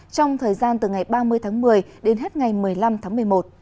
trong thời gian từ ngày ba mươi tháng một mươi đến hết ngày một mươi năm tháng một mươi một